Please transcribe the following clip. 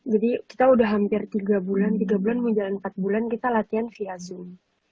jadi kita udah hampir tiga bulan manggelan empat bulan kita latihan via zoom